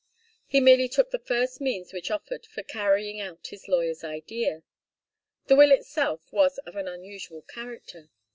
He merely took the first means which offered for carrying out his lawyer's idea. The will itself was of an unusual character.